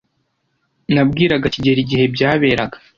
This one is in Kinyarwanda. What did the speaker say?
Nabwiraga kigeli igihe byaberaga.